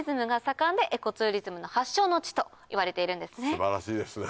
素晴らしいですね。